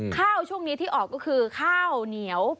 ช่วงนี้ที่ออกก็คือข้าวเหนียว